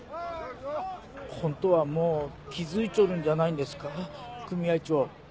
ホントはもう気付いちょるんじゃないんですか組合長。